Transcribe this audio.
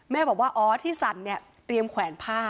บอกว่าอ๋อที่สั่นเนี่ยเตรียมแขวนผ้า